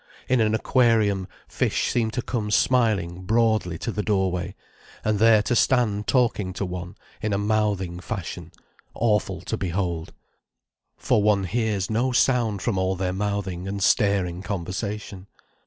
In an aquarium fish seem to come smiling broadly to the doorway, and there to stand talking to one, in a mouthing fashion, awful to behold. For one hears no sound from all their mouthing and staring conversation.